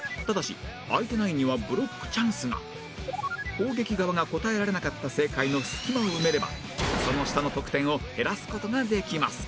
攻撃側が答えられなかった正解の隙間を埋めればその下の得点を減らす事ができます